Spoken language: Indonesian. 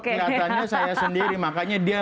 kelihatannya saya sendiri makanya dia